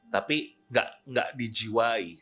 tapi nggak dijiwai